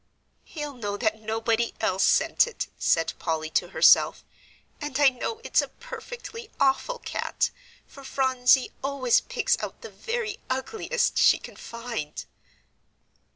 "He'll know that nobody else sent it," said Polly to herself. "And I know it's a perfectly awful cat, for Phronsie always picks out the very ugliest she can find."